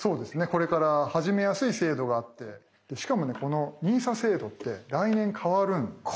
これから始めやすい制度があってしかもねこのＮＩＳＡ制度って来年変わる。